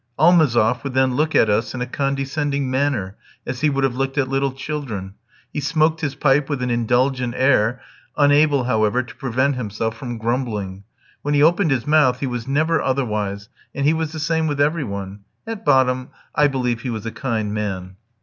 Almazoff would then look at us in a condescending manner, as he would have looked at little children. He smoked his pipe with an indulgent air, unable, however, to prevent himself from grumbling. When he opened his mouth he was never otherwise, and he was the same with every one. At bottom I believe he was a kind man.